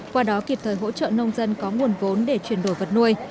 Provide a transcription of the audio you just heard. qua đó kịp thời hỗ trợ nông dân có nguồn vốn để chuyển đổi vật nuôi